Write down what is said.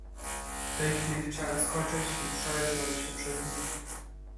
"W tej chwili chciałem skoczyć i przerznąć się przez nich."